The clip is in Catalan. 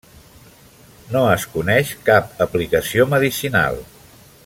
No es coneix cap aplicació medicinal.